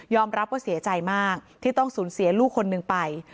รับว่าเสียใจมากที่ต้องสูญเสียลูกคนหนึ่งไป